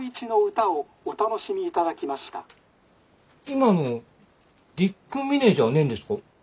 今のディック・ミネじゃねんですか？